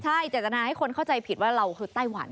ใช่เจตนาให้คนเข้าใจผิดว่าเราคือไต้หวัน